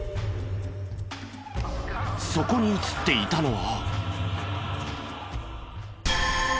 そこに映っていたのは。